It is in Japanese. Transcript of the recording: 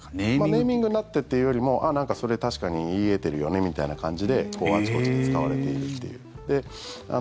ネーミングになってというよりもあ、なんかそれ確かに言い得てるよねみたいな感じであちこちで使われているという。